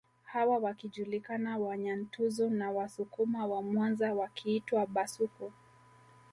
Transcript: Hawa wakijulikana Wanyantuzu na Wasukuma wa Mwanza wakiitwa Bhasuku